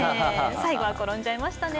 最後は転んじゃいましたね。